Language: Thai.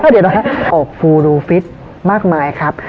เดี๋ยวนะฮะออกฟูรูฟิตมากมายครับ